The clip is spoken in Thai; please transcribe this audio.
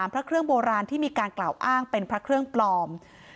พระเครื่องโบราณที่มีการกล่าวอ้างเป็นพระเครื่องปลอม